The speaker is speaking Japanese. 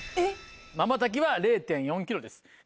まばたきは０．４キロです。